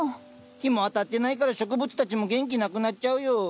日も当たってないから植物たちも元気なくなっちゃうよ。